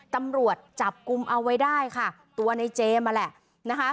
ตำรวจจับกลุ่มเอาไว้ได้ค่ะตัวในเจมสมาแหละนะคะ